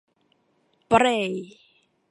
バレー